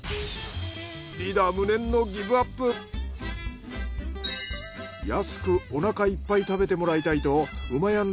リーダー無念の安くおなかいっぱい食べてもらいたいとうまやん